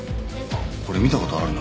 これ見た事あるな。